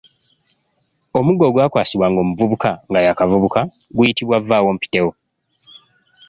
Omuggo ogwakwasibwanga omuvubuka nga y’akavubuka guyitibwa vvawompitewo.